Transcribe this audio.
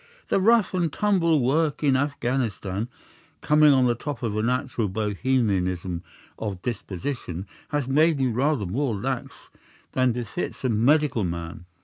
The rough and tumble work in Afghanistan, coming on the top of a natural Bohemianism of disposition, has made me rather more lax than befits a medical man.